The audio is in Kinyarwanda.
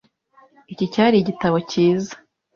Iki cyari igitabo cyiza .